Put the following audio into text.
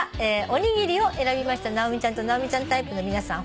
「おにぎり」を選びました直美ちゃんと直美ちゃんタイプの皆さん